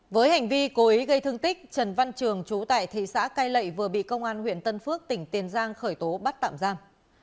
với hành vi cố ý gây thương tích trần văn trường chú tại thị xã cai lệ vừa bị công an huyện tân phước tỉnh tiền giang khởi tố bắt tạm giam